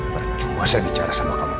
perjuangan bicara sama kamu